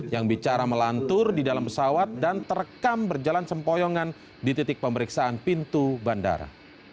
yang bicara melantur di dalam pesawat dan terekam berjalan sempoyongan di titik pemeriksaan pintu bandara